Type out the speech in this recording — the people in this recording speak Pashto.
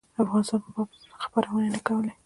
د افغانستان په باب خپرونې نه کولې.